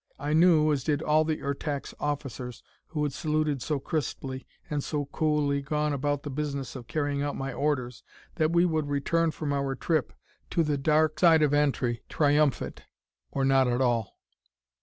I knew, as did all the Ertak's officers who had saluted so crisply, and so coolly gone about the business of carrying out my orders, that we would return from our trip to the dark side of Antri triumphant or not at all.